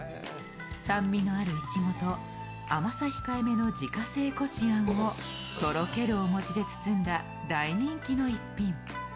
酸味のあるいちごと甘さ控えめの自家製こしあんをとろけるお餅で包んだ大人気の逸品。